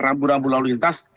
rambu rambu lalu lintas